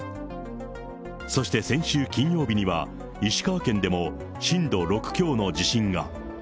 そして先週金曜日には、石川県でも震度６強の地震が。